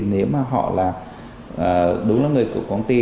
nếu họ đúng là người cựu công ty